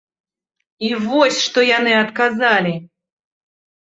І вось што яны адказалі!